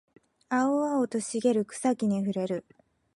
青々と茂る草木に触れる